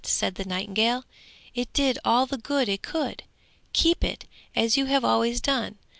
said the nightingale, 'it did all the good it could! keep it as you have always done!